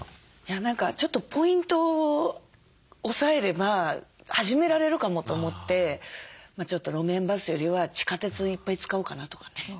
何かちょっとポイントを押さえれば始められるかもと思ってちょっと路面バスよりは地下鉄いっぱい使おうかなとかね。